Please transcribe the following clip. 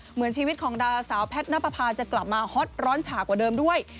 เหมือนชีวิตของดาสาวแพทย์นับประพาจะกลับมาฮอตร้อนฉากกว่าเดิมด้วย